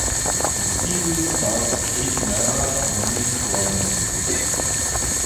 The series stars Kate Mara and Nick Robinson.